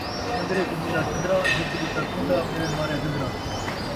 چن٘درے کوں ملیا چن٘درا، ہِک ݙتا کون٘ڈا ٻئے ماریا جن٘درا